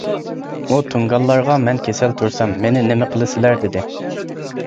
ئۇ تۇڭگانلارغا «مەن كېسەل تۇرسام، مېنى نېمە قىلىسىلەر؟ » دېدى.